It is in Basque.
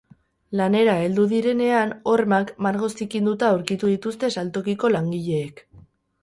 Lanera heldu direnean, hormak margoz zikinduta aurkitu dituzte saltokiko langileek.